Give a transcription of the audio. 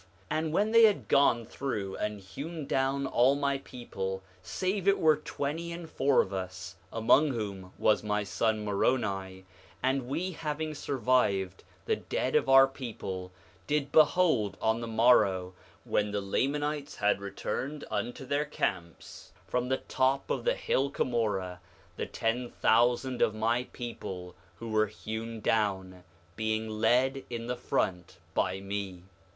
6:11 And when they had gone through and hewn down all my people save it were twenty and four of us, (among whom was my son Moroni) and we having survived the dead of our people, did behold on the morrow, when the Lamanites had returned unto their camps, from the top of the hill Cumorah, the ten thousand of my people who were hewn down, being led in the front by me.